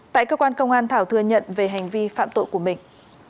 tại cơ quan công an thảo thừa nhận về hành vi phạm tội của mình